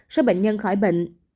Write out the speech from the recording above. số bệnh nhân khỏi bệnh